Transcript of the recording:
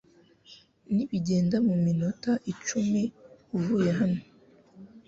Nibigenda muminota icumi uvuye hano.